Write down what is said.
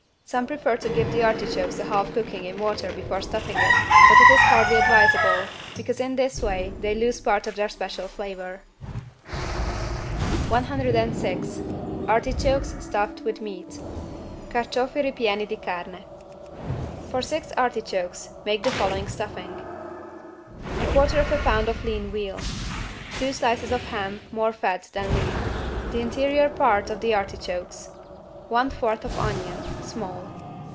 Some prefer to give the artichokes a half cooking in water before stuffing it, but it is hardly advisable, because in this way they lose part of their special flavor. 106 ARTICHOKES STUFFED WITH MEAT (Carciofi ripieni di carne) For six artichokes, make the following stuffing: 1/4 lb. lean veal. Two slices of ham, more fat than lean. The interior part of the artichokes. One fourth of onion (small).